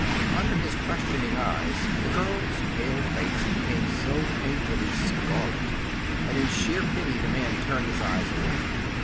Under his questioning eyes the girl's pale face became so painfully scarlet that in sheer pity the man turned his eyes away.